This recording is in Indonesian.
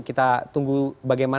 kita tunggu bagaimana